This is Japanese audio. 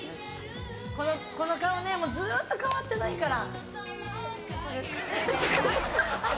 この顔ねずっと変わってないから。